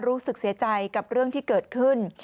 รู้สึกเสียใจกับเรื่องที่เกิดขึ้น